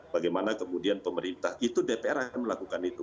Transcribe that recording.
bagaimana kemudian pemerintah itu dpr akan melakukan itu